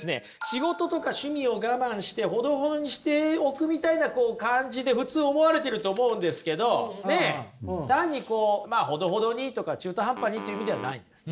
仕事とか趣味を我慢してほどほどにしておくみたいな感じで普通思われてると思うんですけどねっ単にこうほどほどにとか中途半端にっていう意味ではないんです。